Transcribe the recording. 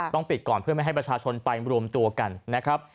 ปิดก่อนเพื่อไม่ให้ประชาชนไปรวมตัวกันนะครับ